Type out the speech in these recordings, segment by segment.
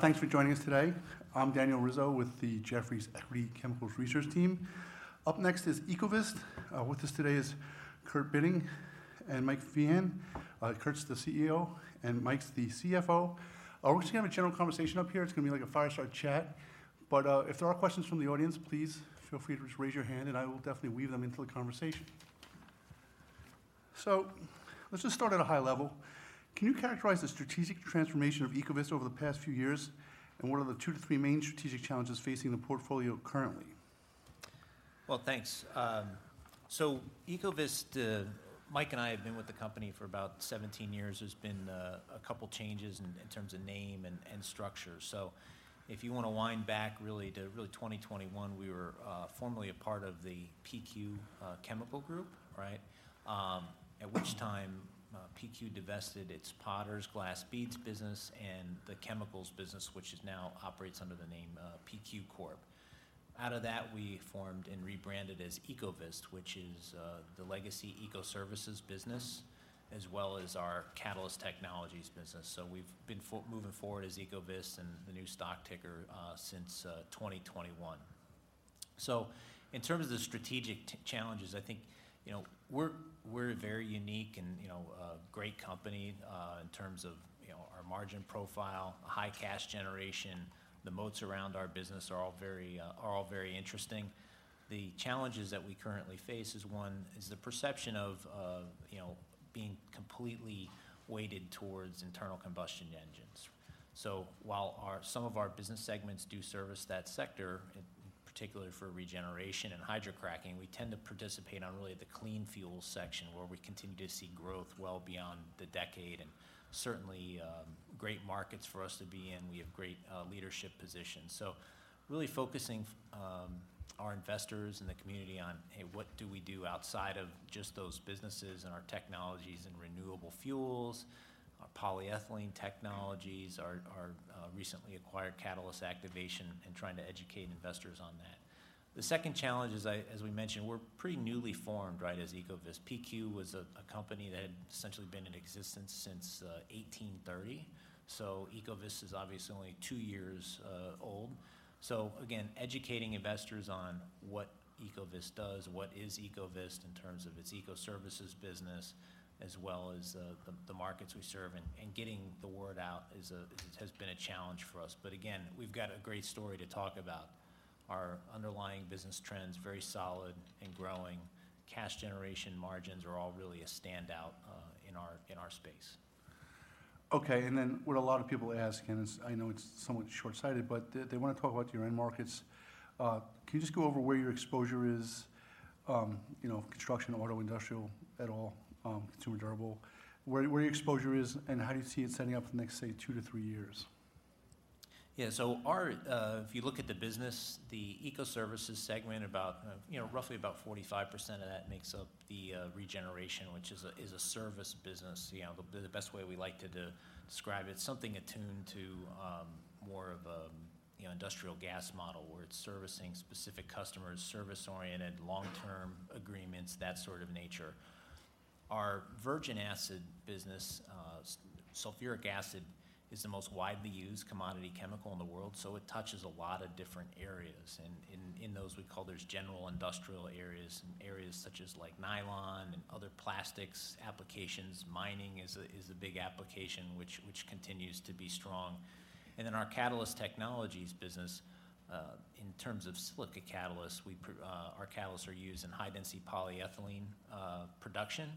Thanks for joining us today. I'm Daniel Rizzo with the Jefferies Equity Chemicals Research Team. Up next is Ecovyst. With us today is Kurt Bitting and Mike Feehan. Kurt's the CEO and Mike's the CFO. We're just gonna have a general conversation up here. It's gonna be like a fireside chat, but if there are questions from the audience, please feel free to just raise your hand, and I will definitely weave them into the conversation. So let's just start at a high level. Can you characterize the strategic transformation of Ecovyst over the past few years, and what are the two to three main strategic challenges facing the portfolio currently? Well, thanks. So Ecovyst, Mike and I have been with the company for about 17 years. There's been a couple changes in terms of name and structure. So if you wanna wind back really to 2021, we were formerly a part of the PQ Group, right? At which time, PQ divested its Potters Glass Beads business and the chemicals business, which is now operates under the name, PQ Corp. Out of that, we formed and rebranded as Ecovyst, which is the legacy Ecoservices business, as well as our Catalyst Technologies business. So we've been moving forward as Ecovyst and the new stock ticker since 2021. So in terms of the strategic challenges, I think, you know, we're, we're very unique and, you know, a great company in terms of, you know, our margin profile, high cash generation. The moats around our business are all very interesting. The challenges that we currently face is, one, is the perception of, of, you know, being completely weighted towards internal combustion engines. So while our-- some of our business segments do service that sector, particularly for regeneration and hydrocracking, we tend to participate on really the clean fuel section, where we continue to see growth well beyond the decade and certainly great markets for us to be in. We have great leadership positions. So really focusing our investors and the community on, hey, what do we do outside of just those businesses and our technologies and renewable fuels, our polyethylene technologies, our recently acquired catalyst activation, and trying to educate investors on that. The second challenge is as we mentioned, we're pretty newly formed, right, as Ecovyst. PQ was a company that had essentially been in existence since 1830, so Ecovyst is obviously only two years old. So again, educating investors on what Ecovyst does, what is Ecovyst in terms of its Ecoservices business, as well as the markets we serve and getting the word out has been a challenge for us. But again, we've got a great story to talk about. Our underlying business trend's very solid and growing. Cash generation margins are all really a standout in our space. Okay, and then what a lot of people ask, and it's. I know it's somewhat short-sighted, but they, they wanna talk about your end markets. Can you just go over where your exposure is, you know, construction, auto, industrial, at all, consumer durable, where your exposure is, and how do you see it setting up for the next, say, two to three years? Yeah. So our, if you look at the business, the Ecoservices segment, about, you know, roughly about 45% of that makes up the, regeneration, which is a service business. You know, the, the best way we like to describe it, something attuned to, more of, you know, industrial gas model, where it's servicing specific customers, service-oriented, long-term agreements, that sort of nature. Our virgin acid business, sulfuric acid is the most widely used commodity chemical in the world, so it touches a lot of different areas. And in, in those, we'd call those general industrial areas, and areas such as, like, nylon and other plastics applications. Mining is a big application, which continues to be strong. And then our Catalyst Technologies business, in terms of silica catalysts, our catalysts are used in high-density polyethylene production,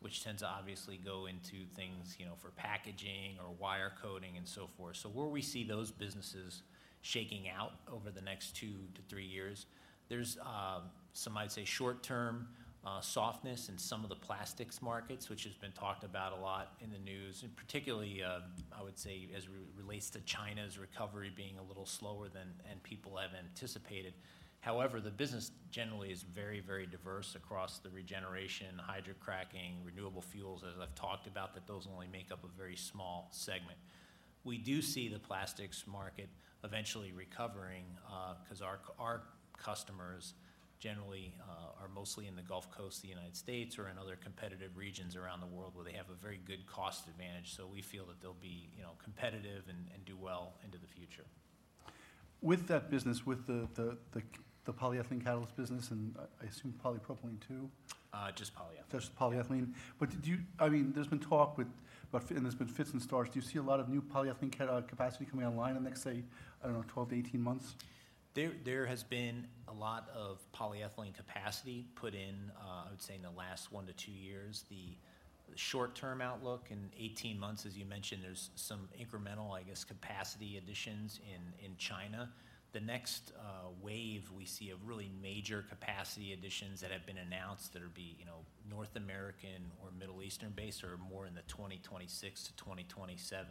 which tends to obviously go into things, you know, for packaging or wire coating and so forth. So where we see those businesses shaking out over the next 2-3 years, there's some might say short-term softness in some of the plastics markets, which has been talked about a lot in the news, and particularly, I would say, as relates to China's recovery being a little slower than people have anticipated. However, the business generally is very, very diverse across the regeneration, hydrocracking, renewable fuels, as I've talked about, that those only make up a very small segment. We do see the plastics market eventually recovering, 'cause our customers generally are mostly in the Gulf Coast of the United States or in other competitive regions around the world, where they have a very good cost advantage. So we feel that they'll be, you know, competitive and do well into the future. With that business, with the polyethylene catalyst business, and I assume polypropylene too? Just polyethylene. Just polyethylene. But did you, I mean, there's been talk about, and there's been fits and starts. Do you see a lot of new polyethylene catalyst capacity coming online in the next, say, I don't know, 12-18 months? There has been a lot of polyethylene capacity put in in the last 1-2 years. The short-term outlook in 18 months, as you mentioned, there's some incremental, I guess, capacity additions in China. The next wave we see of really major capacity additions that have been announced that'll be, you know, North American or Middle Eastern-based are more in the 2026-2027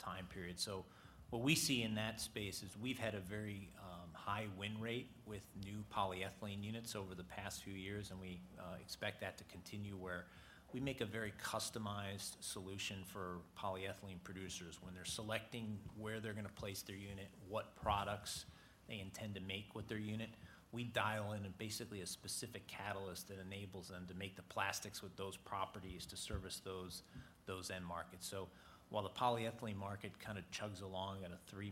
time period. So what we see in that space is we've had a very high win rate with new polyethylene units over the past few years, and we expect that to continue, where we make a very customized solution for polyethylene producers. When they're selecting where they're gonna place their unit, what products... They intend to make with their unit, we dial in basically a specific catalyst that enables them to make the plastics with those properties to service those, those end markets. So while the polyethylene market kind of chugs along at a 3%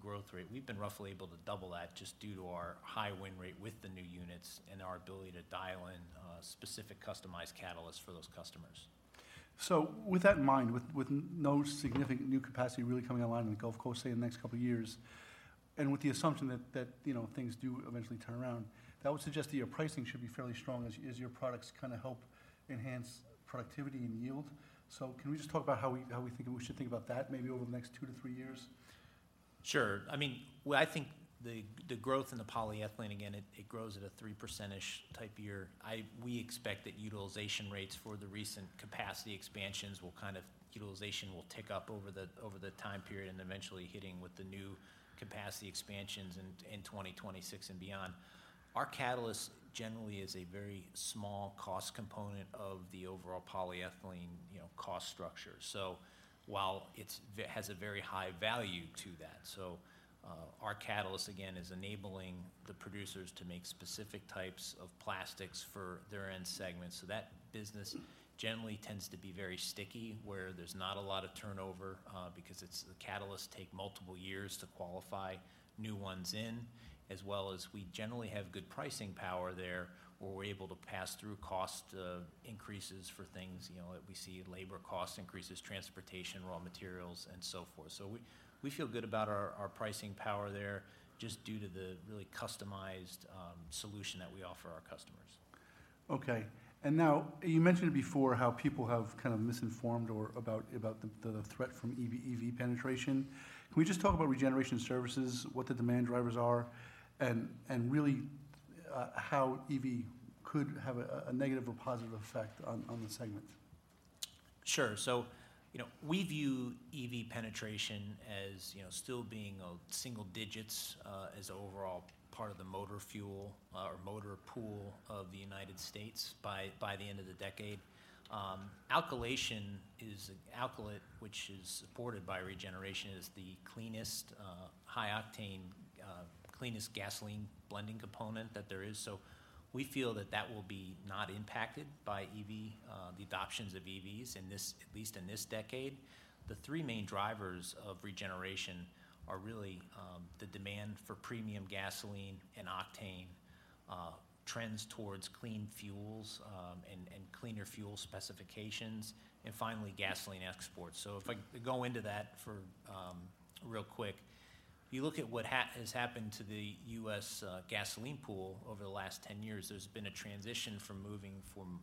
growth rate, we've been roughly able to double that just due to our high win rate with the new units and our ability to dial in specific customized catalysts for those customers. So with that in mind, with no significant new capacity really coming online in the Gulf Coast, say, in the next couple of years, and with the assumption that you know, things do eventually turn around, that would suggest that your pricing should be fairly strong as your products kinda help enhance productivity and yield. So can we just talk about how we think we should think about that, maybe over the next two to three years? Sure. I mean, well, I think the growth in the polyethylene, again, it grows at a 3%-ish type year. I—we expect that utilization rates for the recent capacity expansions will kind of... Utilization will tick up over the time period and eventually hitting with the new capacity expansions in 2026 and beyond. Our catalyst generally is a very small cost component of the overall polyethylene, you know, cost structure. So while it's—it has a very high value to that. So, our catalyst, again, is enabling the producers to make specific types of plastics for their end segments. So that business generally tends to be very sticky, where there's not a lot of turnover, because it's the catalysts take multiple years to qualify new ones in, as well as we generally have good pricing power there, where we're able to pass through cost, increases for things, you know, that we see: labor cost increases, transportation, raw materials, and so forth. So we, we feel good about our, our pricing power there just due to the really customized, solution that we offer our customers. Okay. And now, you mentioned before how people have kind of misinformed or about the threat from EV penetration. Can we just talk about regeneration services, what the demand drivers are, and really how EV could have a negative or positive effect on the segment? Sure. So, you know, we view EV penetration as, you know, still being of single digits, as a overall part of the motor fuel, or motor pool of the United States by the end of the decade. Alkylation is... alkylate, which is supported by regeneration, is the cleanest, high octane, cleanest gasoline blending component that there is. So we feel that that will be not impacted by EV, the adoptions of EVs in this, at least in this decade. The three main drivers of regeneration are really, the demand for premium gasoline and octane, trends towards clean fuels, and cleaner fuel specifications, and finally, gasoline exports. So if I go into that for real quick, if you look at what has happened to the U.S. gasoline pool over the last 10 years, there's been a transition from moving from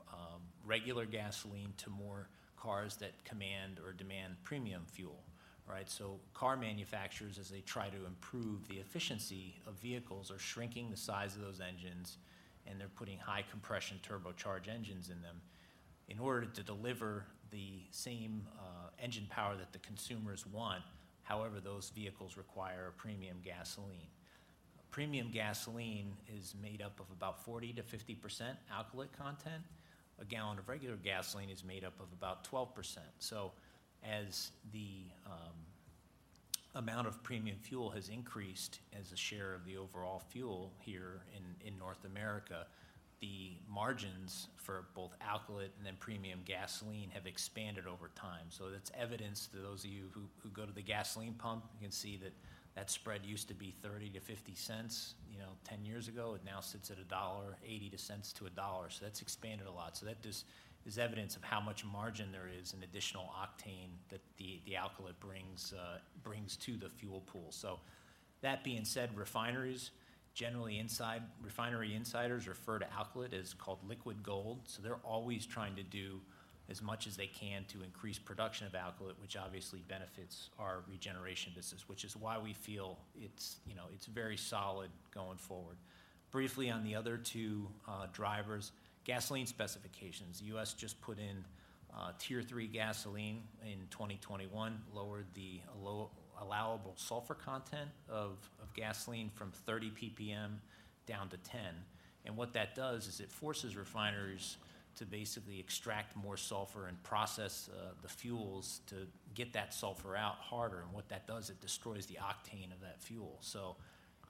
regular gasoline to more cars that command or demand premium fuel, right? So car manufacturers, as they try to improve the efficiency of vehicles, are shrinking the size of those engines, and they're putting high compression turbocharged engines in them in order to deliver the same engine power that the consumers want. However, those vehicles require premium gasoline. Premium gasoline is made up of about 40%-50% alkylate content. A gallon of regular gasoline is made up of about 12%. So as the amount of premium fuel has increased as a share of the overall fuel here in North America, the margins for both alkylate and then premium gasoline have expanded over time. So that's evidence to those of you who go to the gasoline pump, you can see that that spread used to be $0.30-$0.50, you know, 10 years ago. It now sits at $0.80-$1.00. So that's expanded a lot. So that just is evidence of how much margin there is in additional octane that the alkylate brings to the fuel pool. So that being said, refineries, generally, inside refinery insiders refer to alkylate as called liquid gold. So they're always trying to do as much as they can to increase production of alkylate, which obviously benefits our regeneration business, which is why we feel it's, you know, it's very solid going forward. Briefly on the other two drivers, gasoline specifications. The U.S. just put in Tier 3 gasoline in 2021, lowered the low-allowable sulfur content of gasoline from 30 ppm down to 10. And what that does is it forces refineries to basically extract more sulfur and process the fuels to get that sulfur out harder. And what that does, it destroys the octane of that fuel. So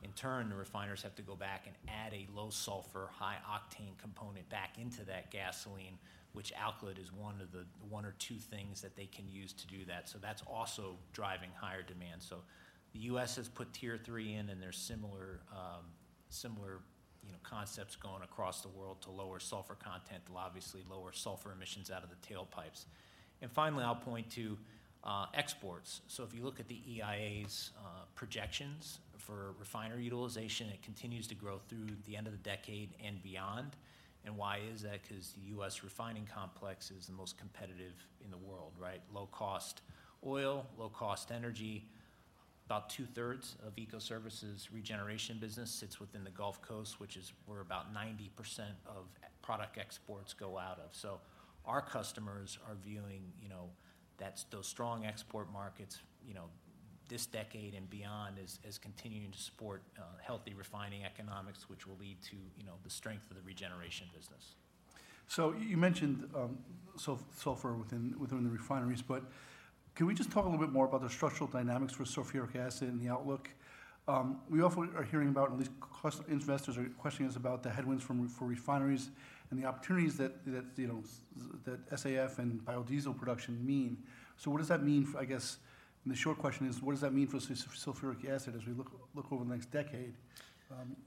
in turn, the refineries have to go back and add a low sulfur, high octane component back into that gasoline, which alkylate is one of the one or two things that they can use to do that. So that's also driving higher demand. So the U.S. has put Tier 3 in, and there's similar, similar, you know, concepts going across the world to lower sulfur content to obviously lower sulfur emissions out of the tailpipes. And finally, I'll point to exports. So if you look at the EIA's projections for refinery utilization, it continues to grow through the end of the decade and beyond. And why is that? 'Cause the U.S. refining complex is the most competitive in the world, right? Low cost oil, low cost energy. About two-thirds of Ecoservices' regeneration business sits within the Gulf Coast, which is where about 90% of product exports go out of. So our customers are viewing, you know, that's those strong export markets, you know, this decade and beyond as, as continuing to support healthy refining economics, which will lead to, you know, the strength of the regeneration business.... So you mentioned sulfur within the refineries, but can we just talk a little bit more about the structural dynamics for sulfuric acid and the outlook? We often are hearing about, at least investors are questioning us about the headwinds for refineries and the opportunities that, you know, that SAF and biodiesel production mean. So what does that mean, I guess the short question is: What does that mean for sulfuric acid as we look over the next decade?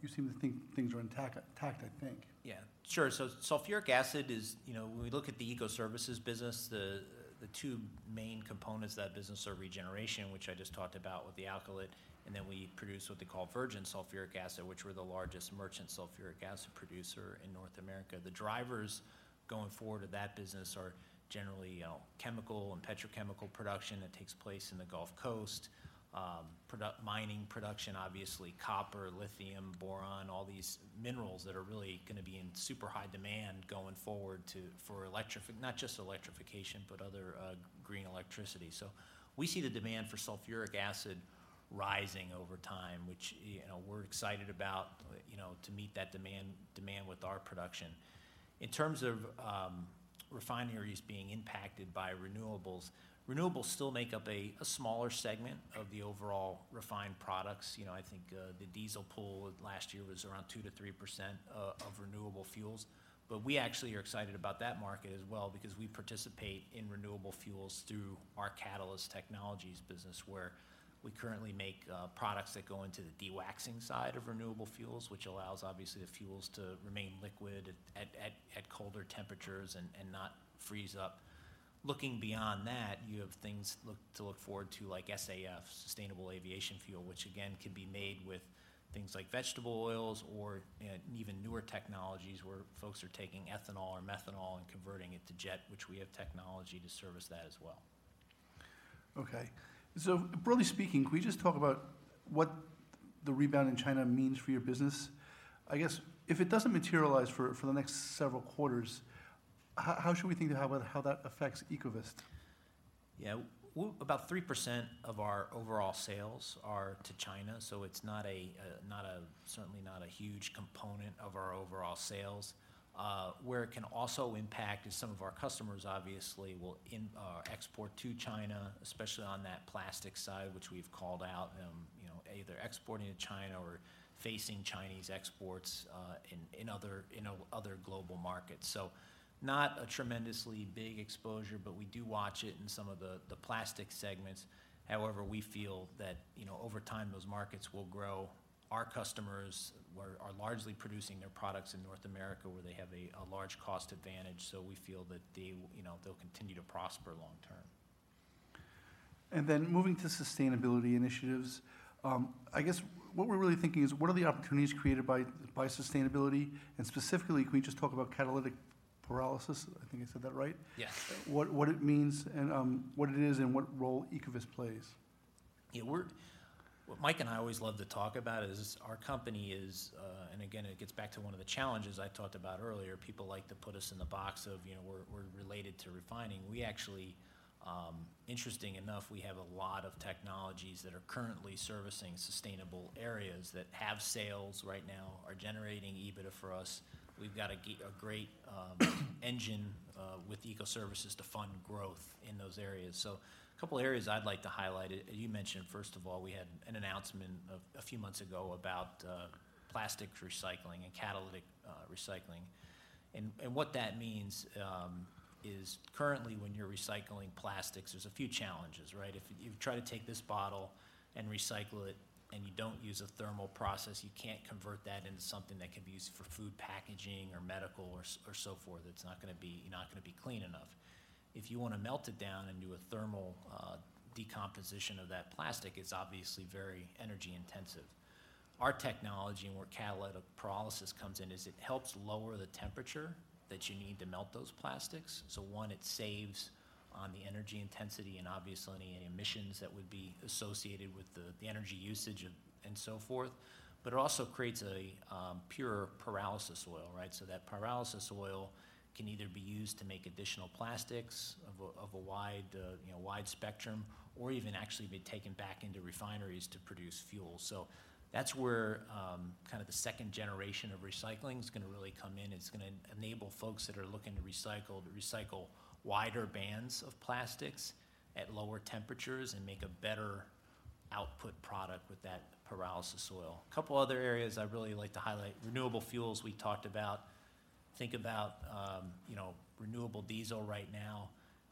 You seem to think things are intact, I think. Yeah, sure. So sulfuric acid is, you know, when we look at the Ecoservices business, the, the two main components of that business are regeneration, which I just talked about with the alkylate, and then we produce what they call virgin sulfuric acid, which we're the largest merchant sulfuric acid producer in North America. The drivers going forward of that business are generally, you know, chemical and petrochemical production that takes place in the Gulf Coast, mining production, obviously, copper, lithium, boron, all these minerals that are really going to be in super high demand going forward for electrification, not just electrification, but other green electricity. So we see the demand for sulfuric acid rising over time, which, you know, we're excited about, you know, to meet that demand with our production. In terms of refineries being impacted by renewables, renewables still make up a smaller segment of the overall refined products. You know, I think the diesel pool last year was around 2%-3% of renewable fuels. But we actually are excited about that market as well because we participate in renewable fuels through our Catalyst Technologies business, where we currently make products that go into the dewaxing side of renewable fuels, which allows, obviously, the fuels to remain liquid at colder temperatures and not freeze up. Looking beyond that, you have things to look forward to, like SAF, sustainable aviation fuel, which again, can be made with things like vegetable oils or even newer technologies, where folks are taking ethanol or methanol and converting it to jet, which we have technology to service that as well. Okay. So broadly speaking, can we just talk about what the rebound in China means for your business? I guess if it doesn't materialize for the next several quarters, how should we think about how that affects Ecovyst? Yeah. About 3% of our overall sales are to China, so it's certainly not a huge component of our overall sales. Where it can also impact is some of our customers, obviously, will export to China, especially on that plastic side, which we've called out, you know, either exporting to China or facing Chinese exports in other global markets. So not a tremendously big exposure, but we do watch it in some of the plastic segments. However, we feel that, you know, over time, those markets will grow. Our customers are largely producing their products in North America, where they have a large cost advantage. So we feel that they, you know, they'll continue to prosper long term. Then moving to sustainability initiatives, I guess what we're really thinking is: What are the opportunities created by, by sustainability? And specifically, can we just talk about catalytic pyrolysis? I think I said that right. Yes. What it means and what it is and what role Ecovyst plays. Yeah, we're. What Mike and I always love to talk about is our company is. And again, it gets back to one of the challenges I talked about earlier. People like to put us in the box of, you know, we're related to refining. We actually, interesting enough, we have a lot of technologies that are currently servicing sustainable areas that have sales right now, are generating EBITDA for us. We've got a great engine with Ecoservices to fund growth in those areas. So a couple of areas I'd like to highlight. You mentioned, first of all, we had an announcement a few months ago about plastics recycling and catalytic recycling. And what that means is currently, when you're recycling plastics, there's a few challenges, right? If you try to take this bottle and recycle it and you don't use a thermal process, you can't convert that into something that can be used for food packaging or medical or so forth. It's not going to be, not going to be clean enough. If you want to melt it down and do a thermal decomposition of that plastic, it's obviously very energy intensive. Our technology, and where catalytic pyrolysis comes in, is it helps lower the temperature that you need to melt those plastics. So one, it saves on the energy intensity and obviously any emissions that would be associated with the energy usage and so forth. But it also creates a pure pyrolysis oil, right? So that pyrolysis oil can either be used to make additional plastics of a wide, you know, wide spectrum or even actually be taken back into refineries to produce fuel. So that's where kind of the second generation of recycling is going to really come in. It's going to enable folks that are looking to recycle, to recycle wider bands of plastics at lower temperatures and make a better output product with that pyrolysis oil. A couple other areas I'd really like to highlight. Renewable fuels, we talked about. Think about, you know, renewable diesel right now,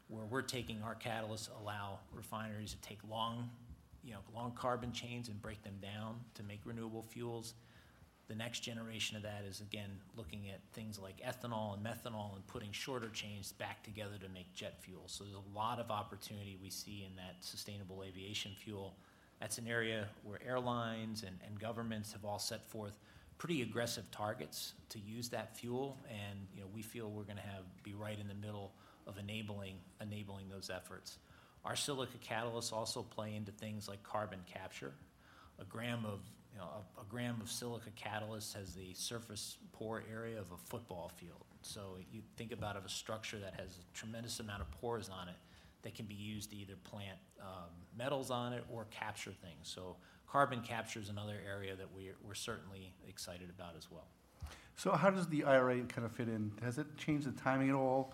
where we're taking our catalysts to allow refineries to take long carbon chains and break them down to make renewable fuels. The next generation of that is, again, looking at things like ethanol and methanol and putting shorter chains back together to make jet fuel. So there's a lot of opportunity we see in that sustainable aviation fuel. That's an area where airlines and governments have all set forth pretty aggressive targets to use that fuel, and, you know, we feel we're going to have to be right in the middle of enabling those efforts. Our silica catalysts also play into things like carbon capture. A gram of, you know, a gram of silica catalyst has the surface pore area of a football field. So you think about a structure that has a tremendous amount of pores on it that can be used to either plant metals on it or capture things. So carbon capture is another area that we're certainly excited about as well.... So how does the IRA kind of fit in? Has it changed the timing at all?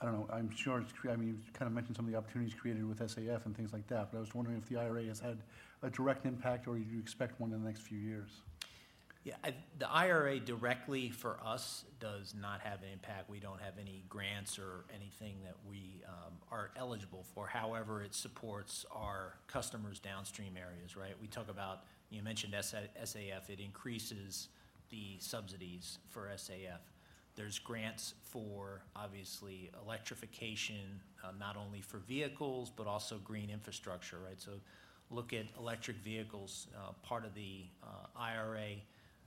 I don't know. I'm sure it's. I mean, you've kinda mentioned some of the opportunities created with SAF and things like that. But I was wondering if the IRA has had a direct impact, or do you expect one in the next few years? Yeah, the IRA directly for us, does not have an impact. We don't have any grants or anything that we, are eligible for. However, it supports our customers' downstream areas, right? We talk about... You mentioned SAF. It increases the subsidies for SAF. There's grants for, obviously, electrification, not only for vehicles but also green infrastructure, right? So look at electric vehicles, part of the, IRA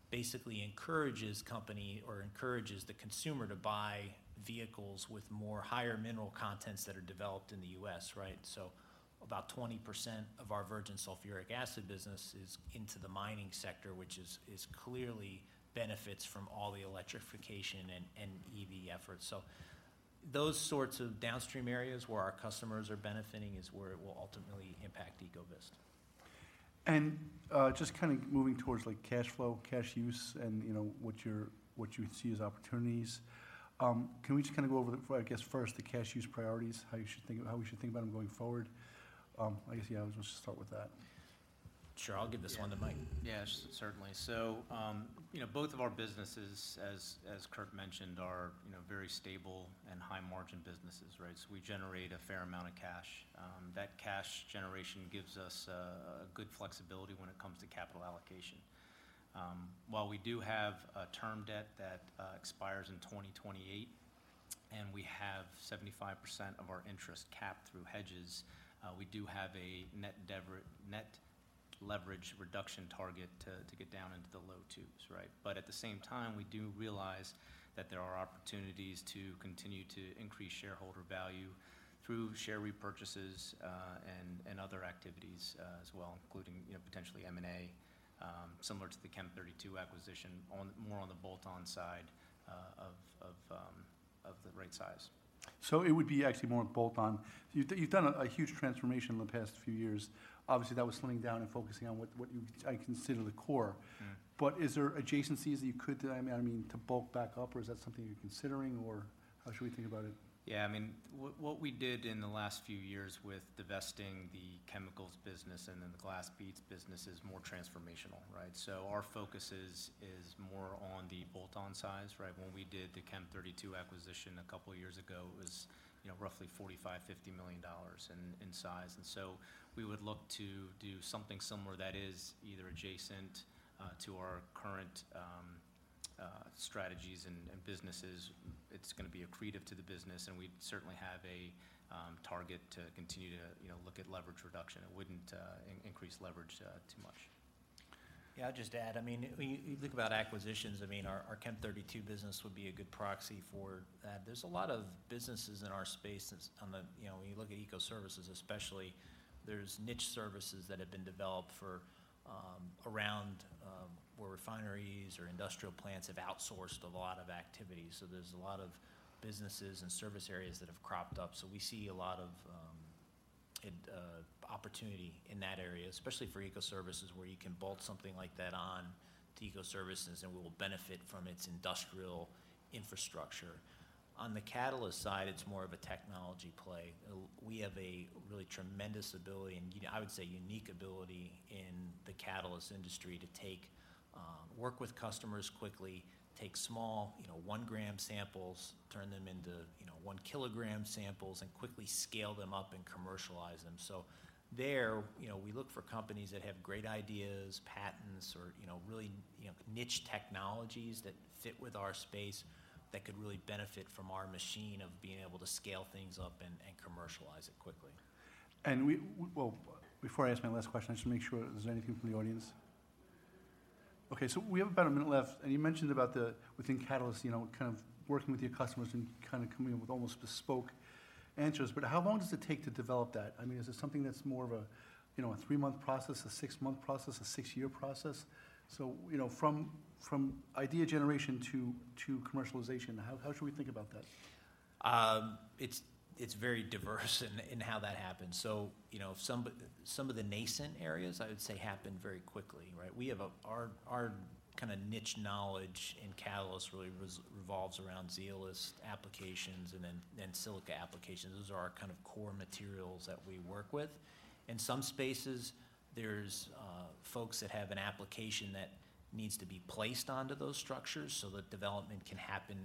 basically encourages company or encourages the consumer to buy vehicles with more higher mineral contents that are developed in the U.S., right? So about 20% of our virgin sulfuric acid business is into the mining sector, which clearly benefits from all the electrification and EV efforts. So those sorts of downstream areas where our customers are benefiting is where it will ultimately impact Ecovyst. Just kind of moving towards, like, cash flow, cash use, and, you know, what you see as opportunities. Can we just kinda go over the, I guess, first, the cash use priorities, how we should think about them going forward? I guess, yeah, I'll just start with that. Sure, I'll give this one to Mike. Yeah, certainly. So, you know, both of our businesses, as Kurt mentioned, are, you know, very stable and high-margin businesses, right? So we generate a fair amount of cash. That cash generation gives us a good flexibility when it comes to capital allocation. While we do have a term debt that expires in 2028, and we have 75% of our interest capped through hedges, we do have a net devere-- net leverage reduction target to get down into the low 2s, right? But at the same time, we do realize that there are opportunities to continue to increase shareholder value through share repurchases, and other activities, as well, including, you know, potentially M&A, similar to the Chem32 acquisition, more on the bolt-on side, of the right size. It would be actually more bolt-on. You've done a huge transformation in the past few years. Obviously, that was slimming down and focusing on what you, I consider the core. Mm-hmm. Is there adjacencies that you could... I mean, I mean, to bulk back up, or is that something you're considering, or how should we think about it? Yeah, I mean, what we did in the last few years with divesting the chemicals business and then the glass beads business is more transformational, right? So our focus is more on the bolt-on side, right? When we did the Chem32 acquisition a couple of years ago, it was, you know, roughly $45-$50 million in size. And so we would look to do something similar that is either adjacent to our current strategies and businesses. It's gonna be accretive to the business, and we certainly have a target to continue to, you know, look at leverage reduction. It wouldn't increase leverage too much. Yeah, I'll just add, I mean, when you look about acquisitions, I mean, our Chem32 business would be a good proxy for that. There's a lot of businesses in our space that's on the—you know, when you look at Ecoservices especially, there's niche services that have been developed for around where refineries or industrial plants have outsourced a lot of activities. So there's a lot of businesses and service areas that have cropped up. So we see a lot of opportunity in that area, especially for Ecoservices, where you can bolt something like that on to Ecoservices, and we will benefit from its industrial infrastructure. On the catalyst side, it's more of a technology play. We have a really tremendous ability and, I would say, unique ability in the catalyst industry to take... Work with customers quickly, take small, you know, 1-gram samples, turn them into, you know, 1-kilogram samples, and quickly scale them up and commercialize them. So there, you know, we look for companies that have great ideas, patents, or, you know, really, you know, niche technologies that fit with our space, that could really benefit from our machine of being able to scale things up and, and commercialize it quickly. Well, before I ask my last question, I should make sure, is there anything from the audience? Okay, so we have about a minute left, and you mentioned about the, within catalyst, you know, kind of working with your customers and kind of coming up with almost bespoke answers. But how long does it take to develop that? I mean, is it something that's more of a, you know, a three-month process, a six-month process, a six-year process? So, you know, from idea generation to commercialization, how should we think about that? It's very diverse in how that happens. So, you know, some of the nascent areas, I would say, happen very quickly, right? We have our kinda niche knowledge in catalyst really revolves around zeolites applications and then silica applications. Those are our kind of core materials that we work with. In some spaces, there's folks that have an application that needs to be placed onto those structures, so the development can happen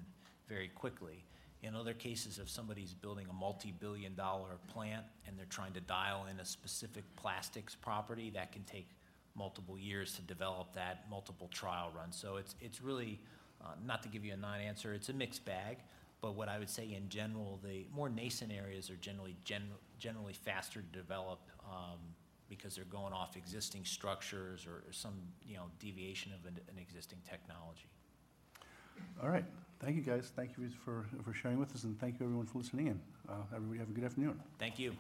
very quickly. In other cases, if somebody's building a multi-billion dollar plant, and they're trying to dial in a specific plastics property, that can take multiple years to develop that, multiple trial runs. So it's really not to give you a non-answer, it's a mixed bag. But what I would say in general, the more nascent areas are generally faster to develop, because they're going off existing structures or some, you know, deviation of an existing technology. All right. Thank you, guys. Thank you guys for sharing with us, and thank you, everyone, for listening in. Everybody, have a good afternoon. Thank you.